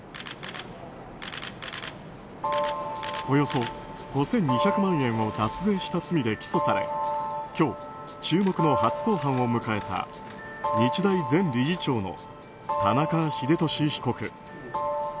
およそ５２００万円を脱税した罪で起訴され今日、注目の初公判を迎えた日大前理事長の田中英寿被告。